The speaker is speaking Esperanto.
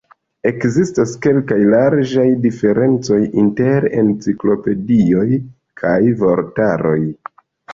Ekzistas kelkaj larĝaj diferencoj inter enciklopedioj kaj vortaroj.